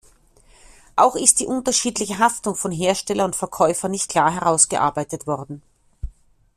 Auch ist die unterschiedliche Haftung von Hersteller und Verkäufer nicht klar herausgearbeitet worden.